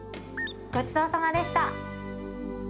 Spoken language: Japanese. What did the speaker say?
ごちそうさまでした。